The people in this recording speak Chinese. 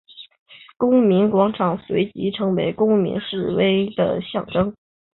公民广场随即成为公民示威的象征。